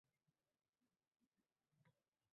boshqa narsalarga osonlikcha chalg‘iydi